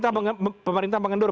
baik pemerintah mengendur